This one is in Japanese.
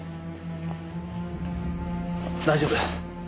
大丈夫。